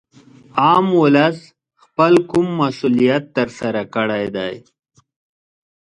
عام ولس خپل کوم مسولیت تر سره کړی دی